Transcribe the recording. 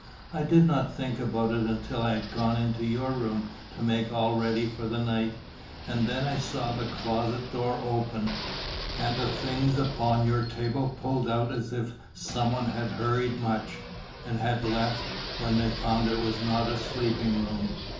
I did not think about it until I had gone into your room to make all ready for the night, and then I saw the closet door open, and the things upon your table pulled about as if some one had hurried much, and had left, when they found it was not a sleeping room.